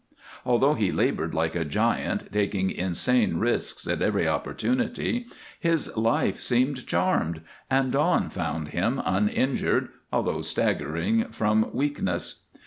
Although he labored like a giant, taking insane risks at every opportunity, his life seemed charmed, and dawn found him uninjured, although staggering from weakness.